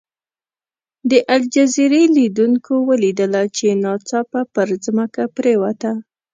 د الجزیرې لیدونکو ولیدله چې ناڅاپه پر ځمکه پرېوته.